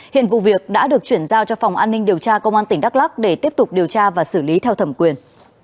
hiện vụ việc đã được chuyển giao cho phòng an ninh điều tra công an tỉnh đắk lắc để tiếp tục điều tra và xử lý theo thẩm quyền